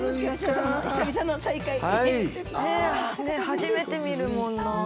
初めて見るもんなあ。